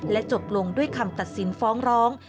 จบลงด้วยคำตัดสินฟ้องร้อง